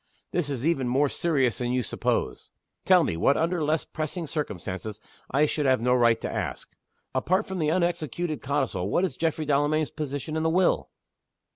This is even more serious than you suppose. Tell me, what under less pressing circumstances I should have no right to ask. Apart from the unexecuted codicil what is Geoffrey Delamayn's position in the will?"